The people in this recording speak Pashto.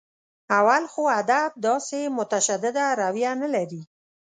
اول خو ادب داسې متشدده رویه نه لري.